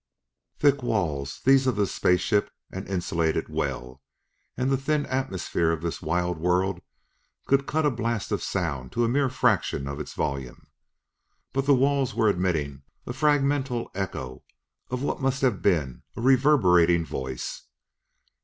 Thick walls, these of the space ship, and insulated well; and the thin atmosphere of this wild world could cut a blast of sound to a mere fraction of its volume! But the walls were admitting a fragmental echo of what must have been a reverberating voice.